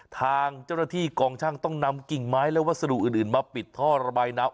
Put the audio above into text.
ทางเจ้าหน้าที่กองช่างต้องนำกิ่งไม้และวัสดุอื่นมาปิดท่อระบายน้ำ